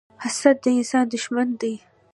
حسد د انسان دښمن دی